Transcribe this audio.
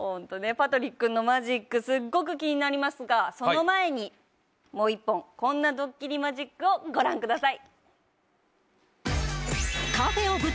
パトリックのマジックすごく気になりますがその前にもう一本こんなドッキリマジックをご覧ください。